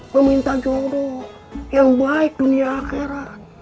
meminta jodoh yang baik dunia akhirat